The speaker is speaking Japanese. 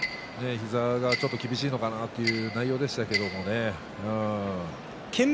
膝がちょっと厳しいのかなという内容でした。